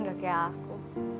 nggak kayak aku